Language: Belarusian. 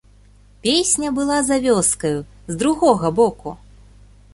Песня была за вёскаю, з другога боку.